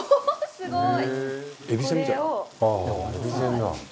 すごい！